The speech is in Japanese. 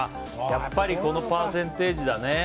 やっぱりこのパーセンテージだね。